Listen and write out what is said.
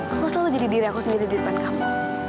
aku selalu jadi diri aku sendiri di depan kamu